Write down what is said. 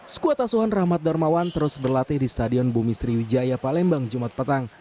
skuad asuhan rahmat darmawan terus berlatih di stadion bumi sriwijaya palembang jumat petang